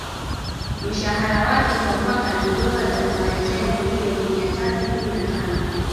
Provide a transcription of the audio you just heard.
Mshahara wake kwa mwaka ni Dola za kimarekani milioni mia tatu kumi na tano